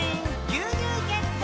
「牛乳ゲット！」